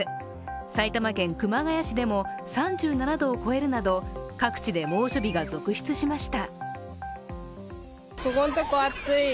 埼玉県熊谷市でも３７度を超えるなど各地で猛暑日が続出しました。